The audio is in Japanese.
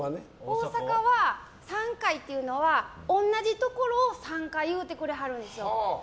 大阪は３回っていうのは同じところを３回言うてくれはるんです。